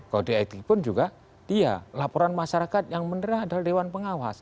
kalau di it pun juga dia laporan masyarakat yang menerah adalah dewan pengawas